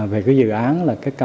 về cái dự án